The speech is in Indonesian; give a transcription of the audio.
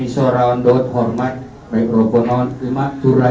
saya ingin mengucapkan salam kepada anda